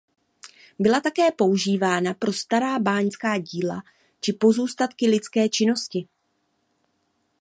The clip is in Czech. Byla také používána pro stará báňská díla či pozůstatky lidské činnosti.